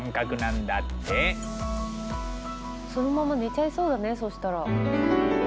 そのまま寝ちゃいそうだねそしたら。